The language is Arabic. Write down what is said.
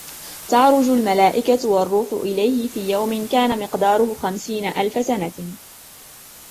تَعْرُجُ الْمَلائِكَةُ وَالرُّوحُ إِلَيْهِ فِي يَوْمٍ كَانَ مِقْدَارُهُ خَمْسِينَ أَلْفَ سَنَةٍ